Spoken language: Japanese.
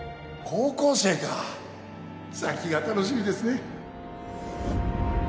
高校生か先が楽しみですね